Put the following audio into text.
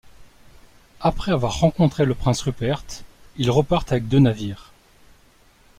Après avoir rencontré le prince Rupert, il repartent avec deux navires.